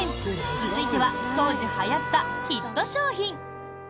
続いては当時はやったヒット商品。